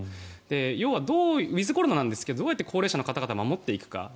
要はウィズコロナなんですがどうやって高齢者の方たちを守っていくか。